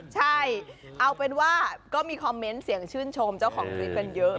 ใช่เอาเป็นว่าก็มีคอมเมนต์เสียงชื่นชมเจ้าของคลิปกันเยอะ